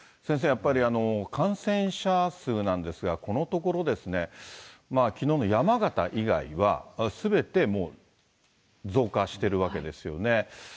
やっぱり、感染者数なんですが、このところ、きのうの山形以外は、すべてもう増加してるわけですよね。